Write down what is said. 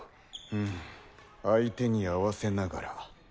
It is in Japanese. うん相手に合わせながら。